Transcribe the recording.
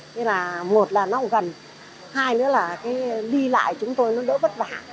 nên là một là nó gần hai nữa là đi lại chúng tôi nó đỡ vất vả